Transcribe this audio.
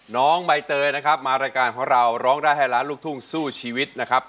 น้องใบเตยนะครับมารายการของเราร้องได้ให้ล้านลูกทุ่งสู้ชีวิตนะครับ